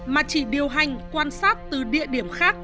mà chỉ điều hành quan sát từ địa điểm khác